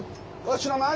知らない？